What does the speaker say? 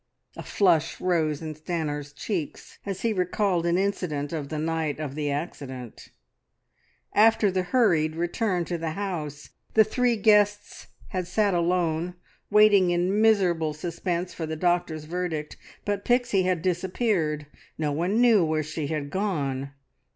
A flush rose in Stanor's cheeks as he recalled an incident of the night of the accident. After the hurried return to the house, the three guests had sat alone, waiting in miserable suspense for the doctor's verdict, but Pixie had disappeared. No one knew where she had gone.